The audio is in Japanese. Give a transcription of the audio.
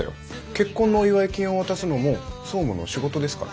結婚のお祝い金を渡すのも総務の仕事ですから。